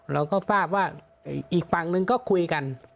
เราก็ทราบว่าอีกฝั่งหนึ่งก็คุยกัน